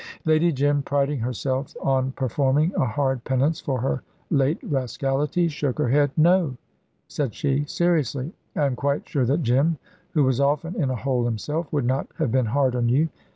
Lady Jim, priding herself on performing a hard penance for her late rascality, shook her head. "No," said she, seriously; "I am quite sure that Jim, who was often in a hole himself, would not have been hard on you.